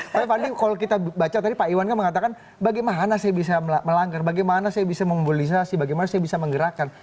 tapi kalau kita baca tadi pak iwan kan mengatakan bagaimana saya bisa melanggar bagaimana saya bisa menggulisasi bagaimana saya bisa menggerakkan